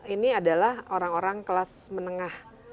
ini adalah orang orang kelas menengah